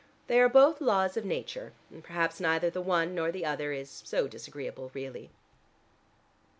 They are both laws of nature, and perhaps neither the one nor the other is so disagreeable really."